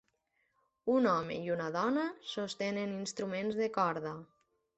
Un home i una dona sostenen instruments de corda.